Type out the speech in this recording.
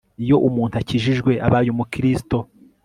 iyo umuntu akijijwe abaye umukristo